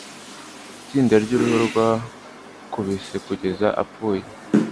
Itsinda ryuruhu rwakubise kugeza apfuye.